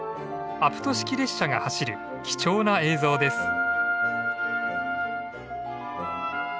アプト式列車が走る貴重な映像です。